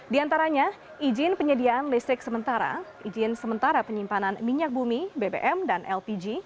di antaranya izin penyediaan listrik sementara izin sementara penyimpanan minyak bumi bbm dan lpg